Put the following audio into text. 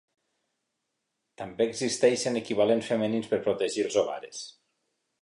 També existeixen equivalents femenins per protegir els ovaris.